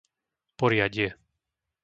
Poriadie